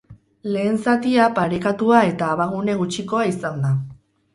Lehen zatia parekatua eta abagune gutxikoa izan da.